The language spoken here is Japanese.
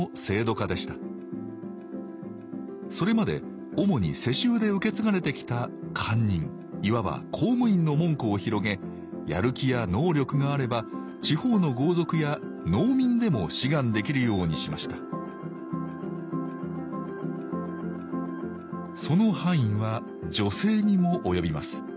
それまで主に世襲で受け継がれてきた官人いわば公務員の門戸を広げやる気や能力があれば地方の豪族や農民でも志願できるようにしましたその範囲は女性にも及びます。